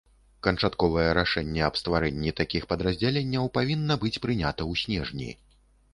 Канчатковае рашэнне аб стварэнні такіх падраздзяленняў павінна быць прынята ў снежні.